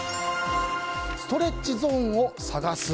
ストレッチゾーンを探す。